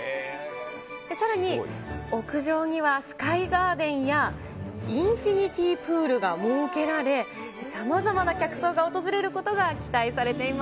さらに屋上にはスカイガーデンや、インフィニティプールが設けられ、さまざまな客層が訪れることが期